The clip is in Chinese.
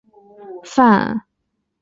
范围包括帕拉州东北部。